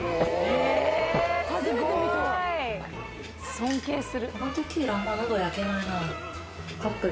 尊敬する。